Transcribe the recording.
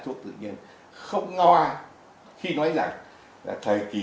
thầy kỳ tự nhiên không ngoa khi nói rằng thầy kỳ tự nhiên